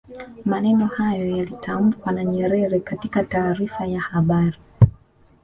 maneno hayo yalitamkwa na nyerere katika taarifa ya habari